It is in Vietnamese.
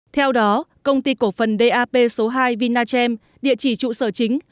theo đó công ty cổ phần dap số hai vinachem địa chỉ trụ sở chính